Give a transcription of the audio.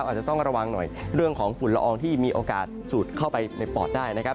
อาจจะต้องระวังหน่อยเรื่องของฝุ่นละอองที่มีโอกาสสูดเข้าไปในปอดได้นะครับ